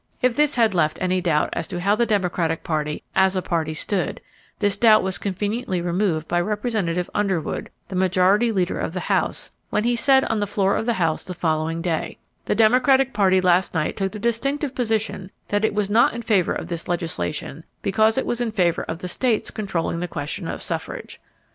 If this had left any doubt as to how the Democratic Party, as a party, stood, this doubt was conveniently removed by Representative Underwood, the Majority Leader of the House, when he said on the floor of the House the following day: "The Democratic Party last night took the distinctive position that it was not in favor of this legislation because it was in favor of the states controlling the question of suffrage